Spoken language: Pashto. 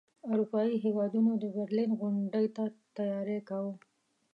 اروپايي هیوادونو د برلین غونډې ته تیاری کاوه.